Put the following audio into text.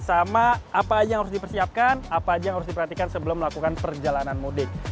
sama apa aja yang harus dipersiapkan apa aja yang harus diperhatikan sebelum melakukan perjalanan mudik